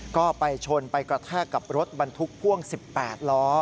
ก็ไปชนไปกระแทกกับรถบรรทุกพ่วง๑๘ล้อ